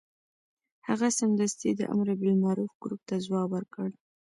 هغه سمدستي د امر بالمعروف ګروپ ته ځواب ورکړ.